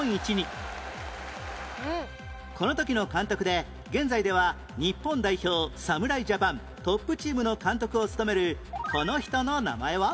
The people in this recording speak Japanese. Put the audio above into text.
この時の監督で現在では日本代表侍ジャパントップチームの監督を務めるこの人の名前は？